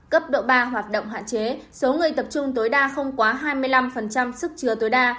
cấp độ ba hoạt động hạn chế số người tập trung tối đa không quá hai mươi năm sức chứa tối đa